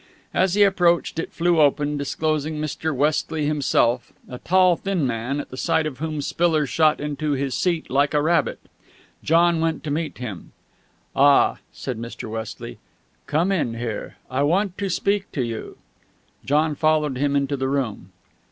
As he approached, it flew open, disclosing Mr. Westley himself, a tall, thin man, at the sight of whom Spiller shot into his seat like a rabbit. John went to meet him. "Ah," said Mr. Westley; "come in here. I want to speak to you." John followed him into the room.